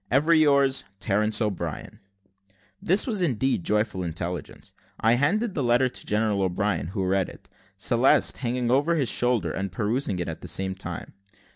"Ever yours, Terence O'Brien." This was indeed joyful intelligence. I handed the letter to General O'Brien, who read it; Celeste hanging over his shoulder, and perusing it at the same time.